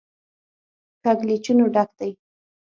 کږلېچونو ډک دی.